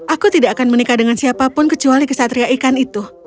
aku tidak akan menikah dengan siapa pun kecuali ksatria ikan itu